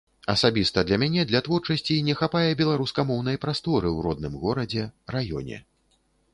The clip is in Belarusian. Асабіста для мяне для творчасці не хапае беларускамоўнай прасторы ў родным горадзе, раёне.